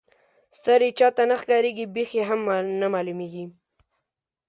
سر یې چاته نه ښکاريږي بېخ یې هم نه معلومیږي.